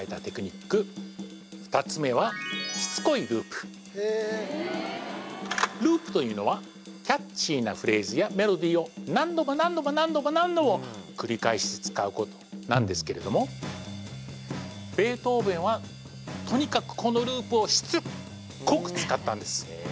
２つめはループというのはキャッチーなフレーズやメロディを何度も何度も何度も何度も繰り返し使うことなんですけれどもベートーヴェンはとにかくこのループをしつっこく使ったんです